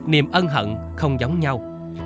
niềm ân hận không giống nhau